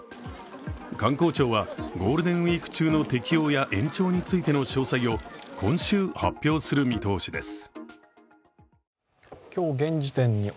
観光庁は、ゴールデンウイーク中の適用や延長についての詳細を今週、発表する見通しです。